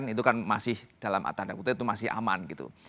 itu kan masih dalam atas anak kita itu masih aman gitu